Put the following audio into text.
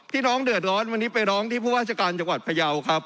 น้องเดือดร้อนวันนี้ไปร้องที่ผู้ว่าราชการจังหวัดพยาวครับ